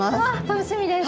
楽しみです。